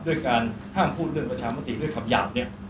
ด้วยการห้ามพูดเรื่องประชามติด้วยคำหยาบเนี่ย